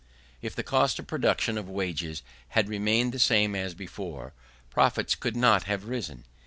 If the cost of production of wages had remained the same as before, profits could not have risen.